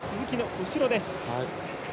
鈴木の後ろです。